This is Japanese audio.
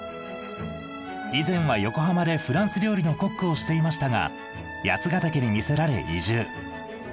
以前は横浜でフランス料理のコックをしていましたが八ヶ岳に魅せられ移住。